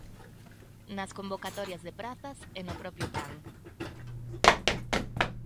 Nas convocatorias de prazas e no propio plan.